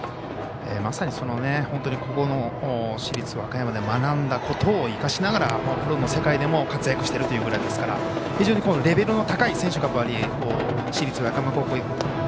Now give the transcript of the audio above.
まさにここの市立和歌山で学んだことを生かしながらプロの世界でも活躍しているということですから非常にレベルの高い選手が市立和歌山高校